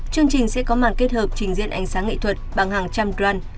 chương trình sẽ có màn kết hợp trình diễn ánh sáng nghệ thuật bằng hàng trăm drone